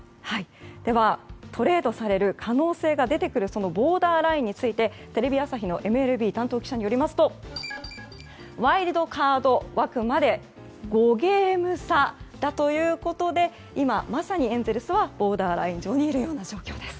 では、トレードされる可能性が出てくるボーダーラインについてテレビ朝日のＭＬＢ担当記者によりますとワイルドカード枠まで５ゲーム差だということで今、まさにエンゼルスはボーダーライン上にいるような状況です。